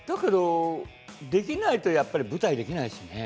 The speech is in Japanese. できないとやっぱり舞台ができないしね。